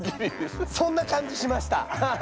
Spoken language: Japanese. そんな感じしました。